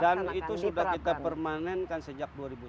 dan itu sudah kita permanenkan sejak dua ribu sembilan belas ya itu satu